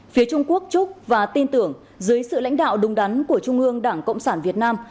phía trung quốc chúc và tin tưởng dưới sự lãnh đạo đúng đắn của trung ương đảng cộng sản việt nam